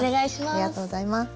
ありがとうございます。